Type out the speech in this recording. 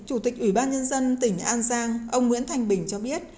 chủ tịch ủy ban nhân dân tỉnh an giang ông nguyễn thanh bình cho biết